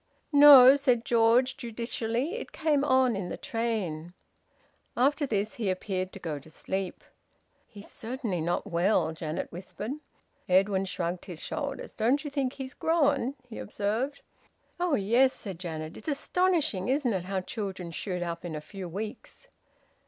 "No," said George judicially. "It came on in the train." After this, he appeared to go to sleep. "He's certainly not well," Janet whispered. Edwin shrugged his shoulders. "Don't you think he's grown?" he observed. "Oh yes!" said Janet. "It's astonishing, isn't it, how children shoot up in a few weeks!"